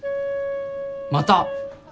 また！？